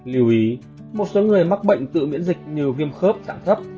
liêu ý một số người mắc bệnh tự biễn dịch như viêm khớp trạng thấp